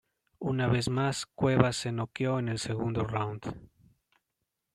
Una vez más, Cuevas se noqueó en el segundo round.